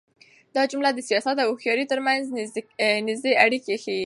دا جملې د سياست او هوښيارۍ تر منځ نږدې اړيکه ښيي.